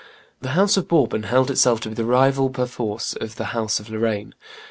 The house of Bourbon held itself to be the rival perforce of the house of Lorraine.